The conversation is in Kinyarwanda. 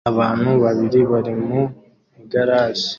Abantu babiri bari mu igaraje